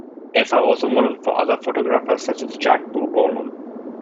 Eva also modeled for other photographers such as Jacques Bourboulon.